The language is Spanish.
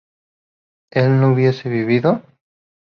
¿él no hubiese vivido?